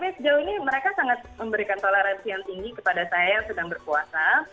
tapi sejauh ini mereka sangat memberikan toleransi yang tinggi kepada saya yang sedang berpuasa